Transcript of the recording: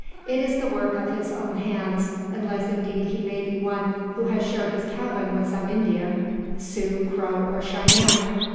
It is the work of his own hands, unless indeed he may be one who has shared his cabin with some Indian Sioux, Crow, or Cheyenne.